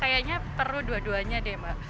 kayaknya perlu dua duanya deh mbak